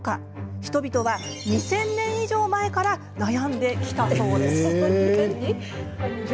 人々は２０００年以上前から悩んできたそうです。